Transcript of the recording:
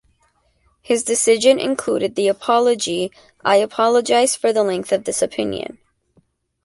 His decision included the apology I apologize for the length of this opinion.